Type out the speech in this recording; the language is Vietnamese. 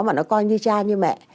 mà nó coi như cha như mẹ